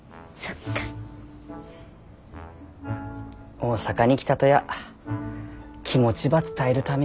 大阪に来たとや気持ちば伝えるためやったとさ。